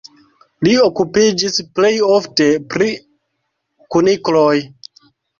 Li okupiĝis plej ofte pri kunikloj.